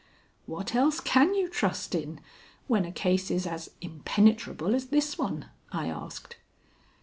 "What else can you trust in, when a case is as impenetrable as this one?" I asked.